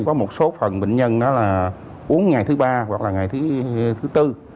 có một số phần bệnh nhân đó là uống ngày thứ ba hoặc là ngày thứ tư